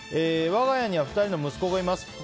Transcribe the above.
我が家には２人の息子がいます。